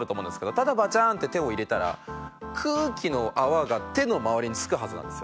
ただバチャーンって手を入れたら空気の泡が手の周りに付くはずなんですよね。